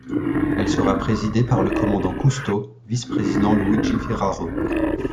Elle sera présidée par le commandant Cousteau, Vice-Président Luigi Ferraro.